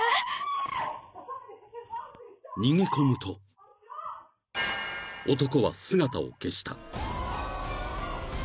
［逃げ込むと男は姿を消した］